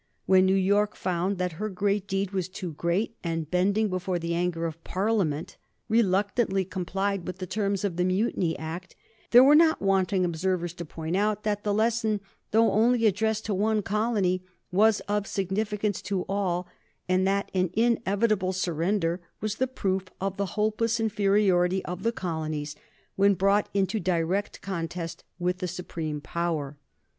When New York found that her great deed was too great, and, bending before the anger of Parliament, reluctantly complied with the terms of the Mutiny Act, there were not wanting observers to point out that the lesson, though only addressed to one colony, was of significance to all, and that an inevitable surrender was the proof of the hopeless inferiority of the colonies when brought into direct contest with the supreme power.